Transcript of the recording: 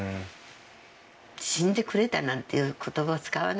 「死んでくれた」なんていう言葉を使わないでしょ？